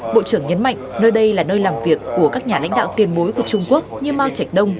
bộ trưởng nhấn mạnh nơi đây là nơi làm việc của các nhà lãnh đạo tiền bối của trung quốc như mao trạch đông